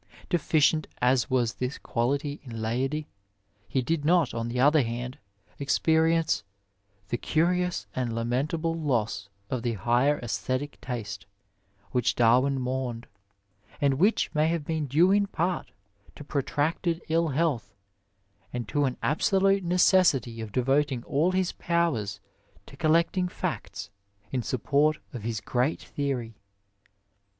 Defi cient as was this quality in Leidy, he did not, on the other hand, experience " the curious and lamentable loss of the higher sBsthetic taste " which Darwin mourned, and which may have been due in part to protracted ill health, and to an absolute necessity of devoting all his powers to collecting facts in support of his great theory.